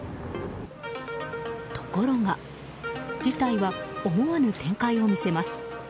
ところが事態は思わぬ展開を見せます。